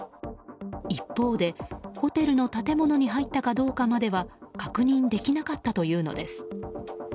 一方でホテルの建物に入ったかどうかまでは確認できなかったというのです。